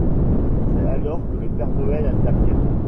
C'est alors que le Père Noël intervient.